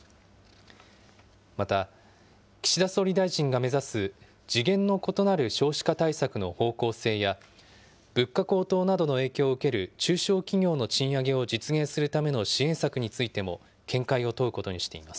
また、岸田総理大臣が目指す次元の異なる少子化対策の方向性や、物価高騰などの影響を受ける中小企業の賃上げを実現するための支援策についても見解を問うことにしています。